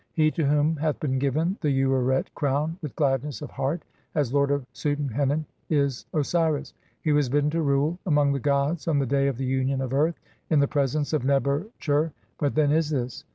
He to whom hath been given the Ureret crown with gladness of heart as lord of Suten henen is Osiris. He was bidden to rule among the gods on the day of the union of earth (48) in the presence of Neb er tcher. What then is this?